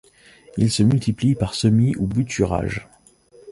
Il se multiplie par semis ou bouturage.